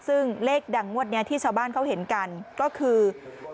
ซึ่งเลขดังงวดนี้ที่ชาวบ้านเขาเห็นกันก็คือ